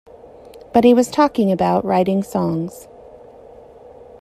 But he was talking about writing songs.